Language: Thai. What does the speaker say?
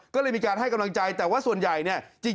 ก็เลยมีการให้กำลังใจแต่ว่าส่วนใหญ่เนี่ย